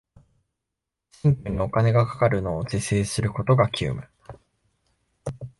選挙にお金がかかるのを是正することが急務